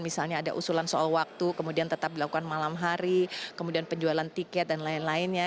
misalnya ada usulan soal waktu kemudian tetap dilakukan malam hari kemudian penjualan tiket dan lain lainnya